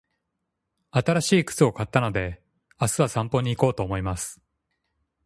新しい靴を買ったので、明日は散歩に行こうと思います。